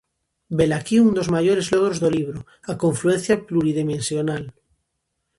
Velaquí un dos maiores logros do libro: a confluencia pluridimensional.